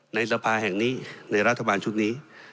ในสภาแห่งนี้ในรัฐบาลชุดนี้